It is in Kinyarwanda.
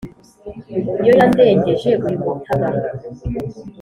yo yandengeje uyu mutaga